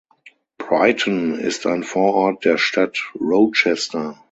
Brighton ist ein Vorort der Stadt Rochester.